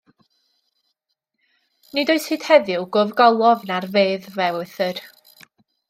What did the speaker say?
Nid oes hyd heddiw gof golofn ar fedd fy ewythr.